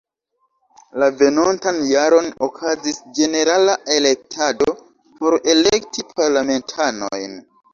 La venontan jaron okazis ĝenerala elektado por elekti parlamentanojn.